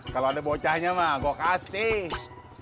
kalau ada bocahnya mah gue kasih